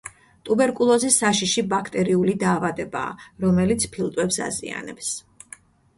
ტუბერკულოზი საშიში ბაქტერიული დაავადებაა, რომელიც ფილტვებს აზიანებს.